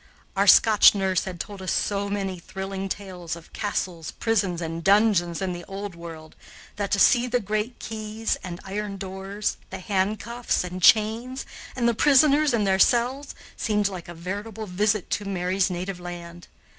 Our Scotch nurse had told us so many thrilling tales of castles, prisons, and dungeons in the Old World that, to see the great keys and iron doors, the handcuffs and chains, and the prisoners in their cells seemed like a veritable visit to Mary's native land.